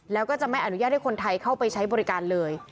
แล้วก็จะไม่อนุญาตให้คนไทยเข้าไปใช้บริการเลย